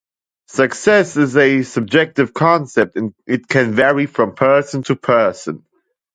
Success is a subjective concept, and it can vary from person to person.